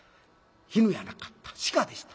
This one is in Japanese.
犬やなかった鹿でした。